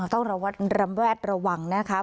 ต้องระวัตรระวัตรระวังนะครับ